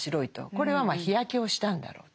これはまあ日焼けをしたんだろうと。